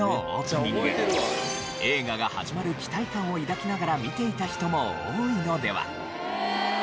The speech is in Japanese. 映画が始まる期待感を抱きながら見ていた人も多いのでは？